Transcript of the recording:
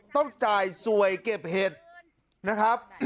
ต้องจ่ายสวยเก็บเห็ดนะครับ